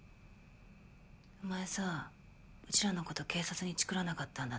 お前さうちらのこと警察にチクらなかったんだって？